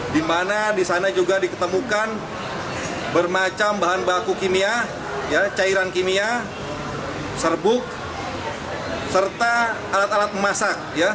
di mana di sana juga diketemukan bermacam bahan baku kimia cairan kimia serbuk serta alat alat memasak